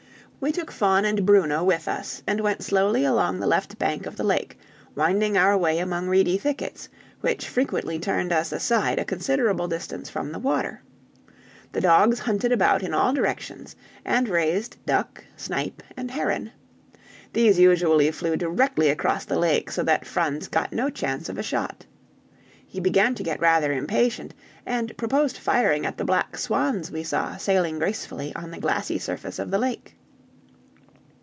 We took Fan and Bruno with us, and went slowly along the left bank of the lake, winding our way among reedy thickets, which frequently turned us aside a considerable distance from the water. The dogs hunted about in all directions, and raised duck, snipe, and heron. These usually flew directly across the lake so that Franz got no chance of a shot. He began to get rather impatient, and proposed firing at the black swans we saw sailing gracefully on the glassy surface of the lake.